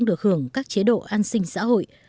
dùng các chế độ an sinh xã hội